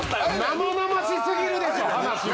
生々しすぎるでしょ話が。